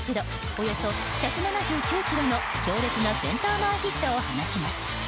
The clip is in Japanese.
およそ１７９キロの強烈なセンター前ヒットを放ちます。